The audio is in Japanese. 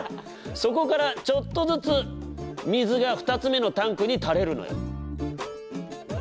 そこからちょっとずつ水が２つ目のタンクにたれるのよ。